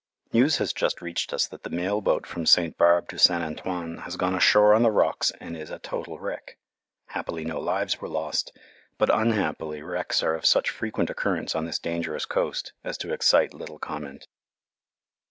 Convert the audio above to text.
News has just reached us that the mail boat from St. Barbe to St. Antoine has gone ashore on the rocks and is a total wreck. Happily no lives were lost, but unhappily wrecks are of such frequent occurrence on this dangerous coast as to excite little comment.